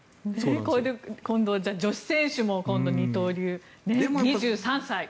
今度、女子選手も二刀流。